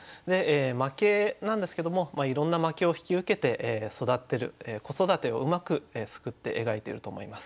「負け」なんですけどもいろんな負けを引き受けて育ってる子育てをうまくすくって描いてると思います。